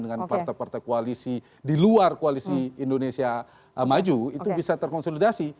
dengan partai partai koalisi di luar koalisi indonesia maju itu bisa terkonsolidasi